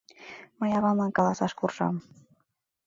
— Мый авамлан каласаш куржам.